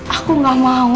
aku gak mau